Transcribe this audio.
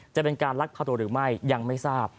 จะเป็นการลักพาตัวหรือไม่ยังไม่ทราบ